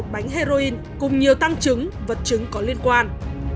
bánh heroin cùng nhiều tăng chứng vật chứng có liên quan